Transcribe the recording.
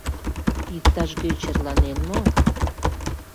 Иктаж-кӧ черланен мо?